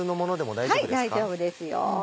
大丈夫ですよ。